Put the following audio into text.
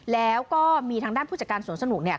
แล้วก็มีทางด้านผู้จัดการสวนสนุกเนี่ย